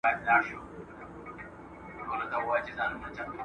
ولي خلګ له مرګ څخه ویره لري؟